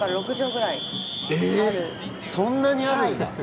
そんなにあるんだ。